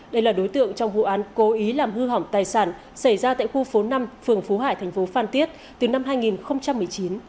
đây là đối tượng trong vụ án cố ý làm hư hỏng tài sản xảy ra tại khu phố năm phường phú hải thành phố phan tiết từ năm hai nghìn một mươi chín